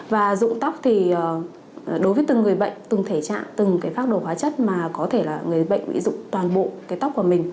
và dụng tóc thì đối với từng người bệnh từng thể trạng từng cái phác đồ hóa chất mà có thể là người bệnh bị dụng toàn bộ cái tóc của mình